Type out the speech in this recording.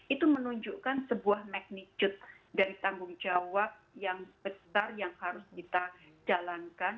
itu menunjukkan sebuah magnitude dari tanggung jawab yang besar yang harus kita jalankan